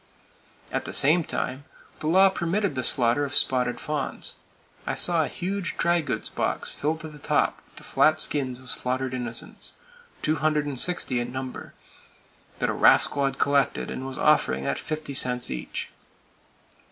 At the same time, the law permitted the slaughter of spotted fawns. I saw a huge drygoods box filled to the top with the flat skins of slaughtered innocents, 260 in number, that a rascal had collected and was offering at fifty cents each.